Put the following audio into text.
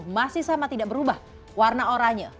masih sama tidak berubah warna oranye